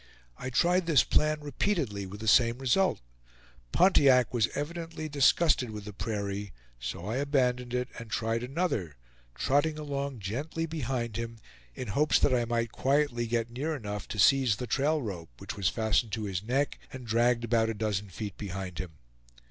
I tried this plan repeatedly, with the same result; Pontiac was evidently disgusted with the prairie; so I abandoned it, and tried another, trotting along gently behind him, in hopes that I might quietly get near enough to seize the trail rope which was fastened to his neck, and dragged about a dozen feet behind him.